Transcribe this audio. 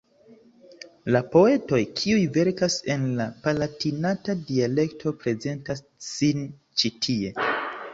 La poetoj, kiuj verkas en la palatinata dialekto prezentas sin ĉi tie.